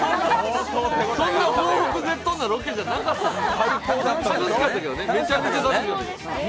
そんな抱腹絶倒なロケじゃなかったですよ。